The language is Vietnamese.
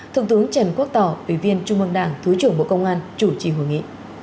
thượng tướng trần quốc tỏ ủy viên trung mương đảng thứ trưởng bộ công an chủ trì hội nghị